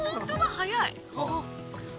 早い。